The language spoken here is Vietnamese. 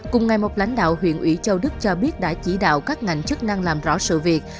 cùng ngày một lãnh đạo huyện ủy châu đức cho biết đã chỉ đạo các ngành chức năng làm rõ sự việc